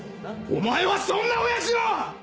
お前はそんな親父を！